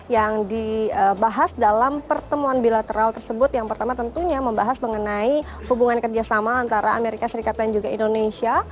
yang dibahas dalam pertemuan bilateral tersebut yang pertama tentunya membahas mengenai hubungan kerjasama antara amerika serikat dan juga indonesia